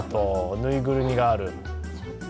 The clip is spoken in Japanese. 縫いぐるみがある。